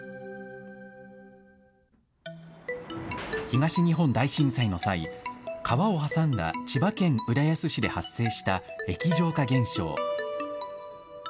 東日本大震災の際、川を挟んだ千葉県浦安市で発生した液状化現象。